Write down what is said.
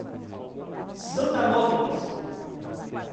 Santanópolis